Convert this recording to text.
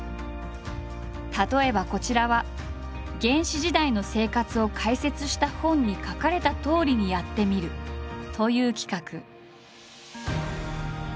例えばこちらは原始時代の生活を解説した本に書かれたとおりにやってみるという企画。